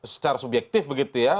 secara subjektif begitu ya